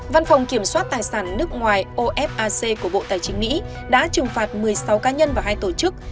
văn phòng kiểm soát tài sản nước ngoài ofac của bộ tài chính mỹ đã trừng phạt một mươi sáu cá nhân và hai tổ chức